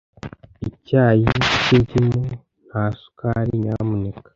Icyayi cy'indimu nta sukari, nyamuneka.